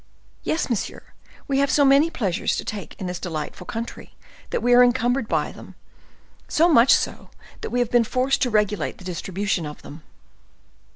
"Yes, monsieur; we have so many pleasures to take in this delightful country, that we were encumbered by them; so much so, that we have been forced to regulate the distribution of them."